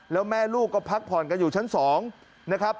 แล้วแม่ลูกก็พักผ่อนกันอยู่ชั้น๒นะครับ